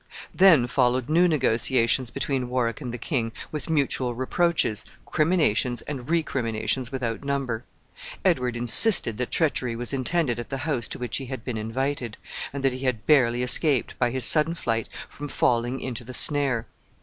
Then followed new negotiations between Warwick and the king, with mutual reproaches, criminations, and recriminations without number. Edward insisted that treachery was intended at the house to which he had been invited, and that he had barely escaped, by his sudden flight, from falling into the snare.